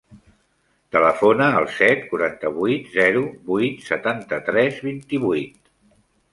Telefona al set, quaranta-vuit, zero, vuit, setanta-tres, vint-i-vuit.